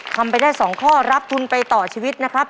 ทำไปได้๒ข้อรับทุนไปต่อชีวิตนะครับ